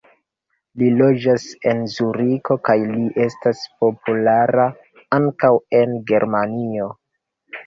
Li loĝas en Zuriko kaj li estas populara ankaŭ en Germanio.